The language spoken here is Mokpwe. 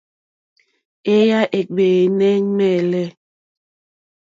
Èyà é ɡbɛ̀ɛ̀nɛ̀ ŋmɛ̂lɛ̂.